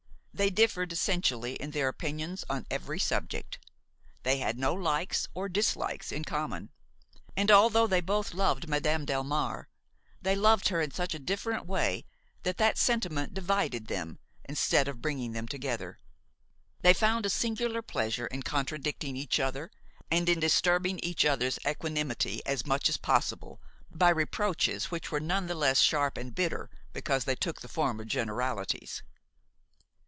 They differed essentially in their opinions on every subject; they had no likes or dislikes in common; and, although they both loved Madame Delmare, they loved her in such a different way that that sentiment divided them instead of bringing them together. They found a singular pleasure in contradicting each other and in disturbing each other's equanimity as much as possible by reproaches which were none the less sharp and bitter because they took the form of generalities.